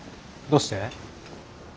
どうして？